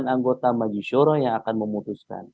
sembilan puluh sembilan anggota majusyoro yang akan memutuskan